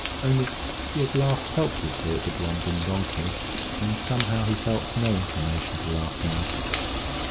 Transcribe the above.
Only, he had laughed helplessly at the Blondin Donkey, and somehow he felt no inclination to laugh now.